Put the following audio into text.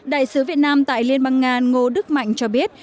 đại sứ việt nam tại liên bang nga ngô đức mạnh cho biết